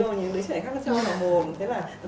nó cho nó mồm